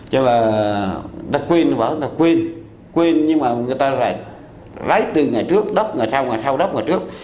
cho nên là người ta quên người ta bảo người ta quên quên nhưng mà người ta lại lấy từ ngày trước đấp ngày sau ngày sau đấp ngày trước